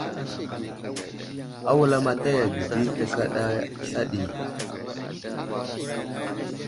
A wulamataya ge di tekaɗa sla ɗi.